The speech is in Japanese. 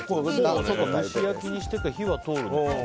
蒸し焼きにしてるから火は通るのか。